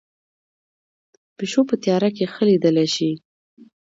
پیشو په تیاره کې ښه لیدلی شي